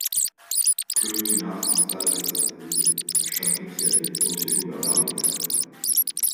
Claude Pinart installe avec sa famille à Château-Thierry dont il est gouverneur militaire.